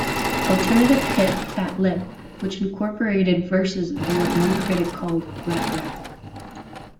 Alternative hit "Fat Lip", which incorporated verses of what one critic called "brat rap.